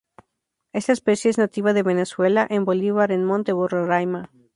Esta especie es nativa de Venezuela en Bolívar en Monte Roraima.